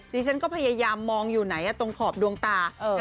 ดิฉันก็พยายามมองอยู่ไหนตรงขอบดวงตา